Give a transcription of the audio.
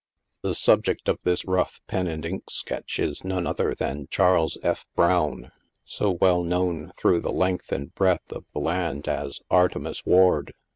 The subject of this rough pen and ink sketch is none other than Charles F. Browne, so well known through the length and breadth of the land as " Artemus Ward."